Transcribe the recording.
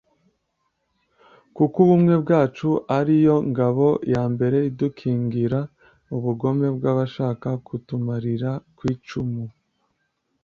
kuko ubumwe bwacu ariyo ngabo ya mbere idukingira ubugome bw’abashaka kutumarira kw’icumu